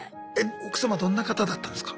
奥様どんな方だったんですか？